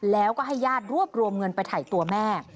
แล้วก็ให้ญาติรวบรวมเงินไปถ่ายตัวแม่